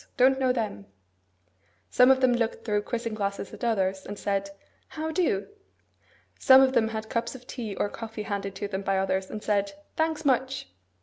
Don't know them.' Some of them looked through quizzing glasses at others, and said, 'How do?' Some of them had cups of tea or coffee handed to them by others, and said, 'Thanks; much!